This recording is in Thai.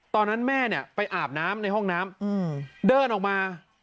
ตอนนั้นแม่เนี่ยไปอาบน้ำในห้องน้ำเดินออกมา